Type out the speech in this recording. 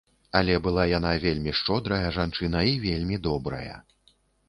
Але была яна вельмі шчодрая жанчына і вельмі добрая.